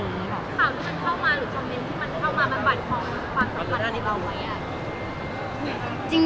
ข่าวที่มันเข้ามาหรือคำเม้นที่มันเข้ามามันปรับความสำคัญในเราไหม